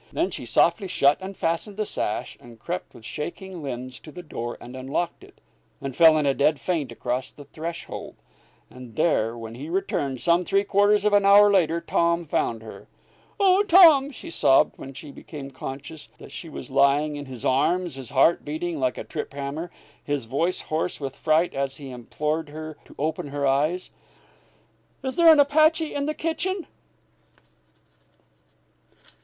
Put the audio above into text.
Then she softly shut and fastened the sash, and crept with shaking limbs to the door and unlocked it, and fell in a dead faint across the threshold. And there, when he returned some three quarters of an hour later, Tom found her. "Oh, Tom!" she sobbed, when she became conscious that she was lying in his arms, his heart beating like a trip hammer, his voice hoarse with fright as he implored her to open her eyes; "is there an Apache in the kitchen?"